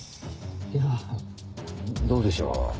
いやどうでしょう。